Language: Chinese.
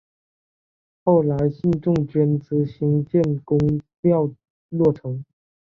后来信众捐资兴建宫庙落成。